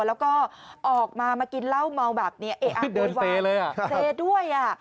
แล้วก็ออกมามากินเหล้าเมาแบบนี้เอ๊ะอ่ะโวยวายเลยอ่ะเซด้วยอ่ะ